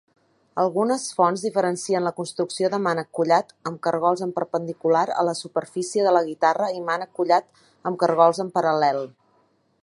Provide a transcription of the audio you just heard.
Algunes fonts diferencien la construcció de mànec collat amb cargols en perpendicular a la superfície de la guitarra i mànec collat amb cargols en paral·lel.